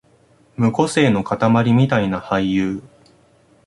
無個性のかたまりみたいな俳優